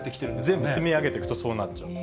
全部積み上げていくと、そうなっちゃう。